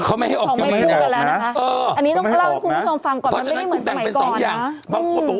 เขาไม่ให้ออกทีวีไม่ให้ออกนะอันนี้ต้องฟังก่อนมันไม่เหมือนสมัยก่อนนะ